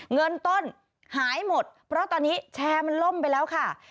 เงินต้นหายหมดเพราะตอนนี้แชร์มันล่มไปแล้วค่ะ